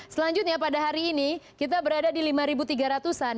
selanjutnya pada hari ini kita berada di lima tiga ratus an